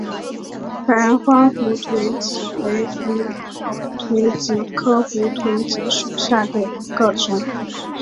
白花胡颓子为胡颓子科胡颓子属下的一个种。